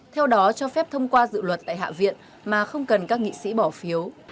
theo đó cho phép thông qua dự luật tại hạ viện mà không cần các nghị sĩ bỏ phiếu